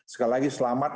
sekali lagi selamat